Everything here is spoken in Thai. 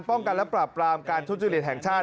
ป้องกันและปราบปรามการทุจริตแห่งชาติ